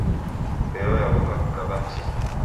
Mbeo yaw'oka kukaba mzinyi